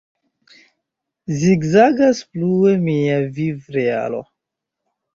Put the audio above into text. Zigzagas plue mia viv-realo...